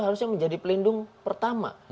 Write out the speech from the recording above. harusnya menjadi pelindung pertama